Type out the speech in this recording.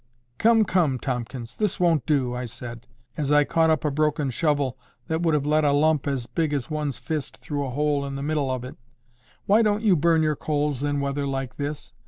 "Come, come, Tomkins! this won't do," I said, as I caught up a broken shovel that would have let a lump as big as one's fist through a hole in the middle of it. "Why don't you burn your coals in weather like this?